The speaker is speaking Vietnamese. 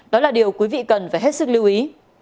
đó là điều quý vị cần phải hết sức lưu ý